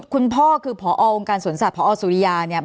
คุณพ่อคือพอองค์การสวนสัตว์พอสุริยาเนี่ย